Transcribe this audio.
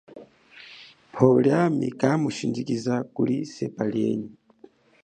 Pwo liami kamushindjikiza kuli sepa lienyi.